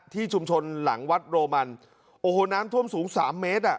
ที่ชุมชนหลังวัดโรมันโอ้โหน้ำท่วมสูงสามเมตรอ่ะ